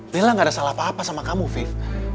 bella gak ada salah apa apa sama kamu fif